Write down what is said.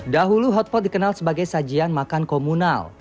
dahulu hotpot dikenal sebagai sajian makan komunal